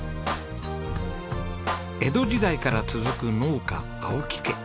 江戸時代から続く農家青木家。